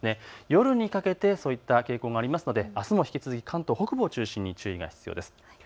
夜にかけてそういった傾向があるのであすも引き続き関東北部を中心に注意が必要です。